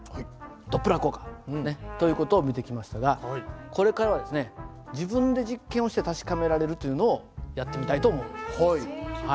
ドップラー効果という事を見てきましたがこれからはですね自分で実験をして確かめられるというのをやってみたいと思います。